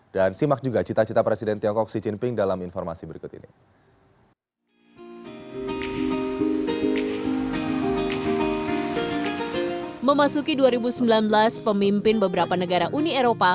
dan simak juga cita cita presiden tiongkok xi jinping dalam informasi berikut ini